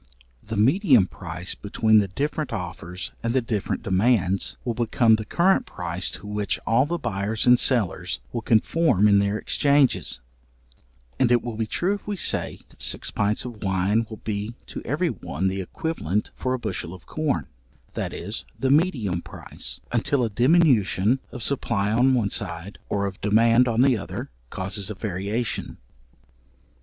The medium price between the different offers and the different demands, will become the current price to which all the buyers and sellers will conform in their exchanges; and it will be true if we say, that six pints of wine will be to every one the equivalent for a bushel of corn, that is, the medium price, until a diminution of supply on one side, or of demand on the other, causes a variation.